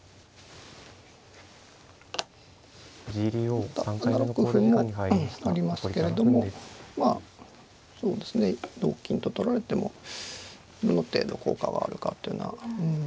また７六歩もありますけれどもまあそうですね同金と取られてもどの程度効果があるかっていうのは。